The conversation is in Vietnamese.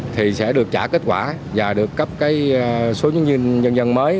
thì sẽ được trả kết quả và được cấp cái số chứng minh nhân dân mới